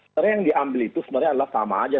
karena yang diambil itu sebenarnya adalah sama saja